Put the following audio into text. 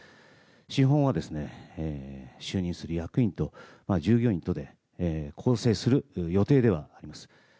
資本は就任する役員と従業員とで構成する予定ではあります。